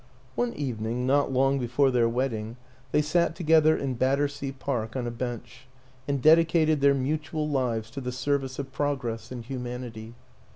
One evening, not long before their wedding, they sat together in Battersea Park on a bench and dedicated their mutual lives to the service of Progress and Humanity.